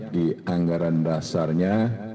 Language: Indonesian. di anggaran dasarnya